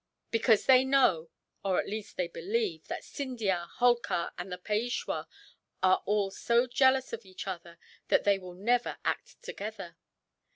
"Because they know, at least they believe, that Scindia, Holkar, and the Peishwa are all so jealous of each other that they will never act together.